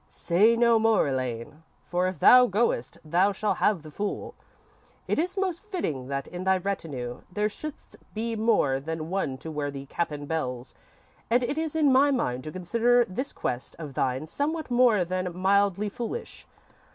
"_ _"Say no more, Elaine, for if thou goest, thou shall have the fool. It is most fitting that in thy retinue there shouldst be more than one to wear the cap and bells, and it is in my mind to consider this quest of thine somewhat more than mildly foolish.